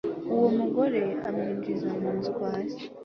uwo mugore amwinjiza mu nzu kwa se